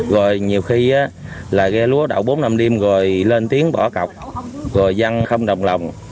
rồi nhiều khi là ghe lúa đậu bốn năm đêm rồi lên tiếng bỏ cọc rồi dân không đồng lòng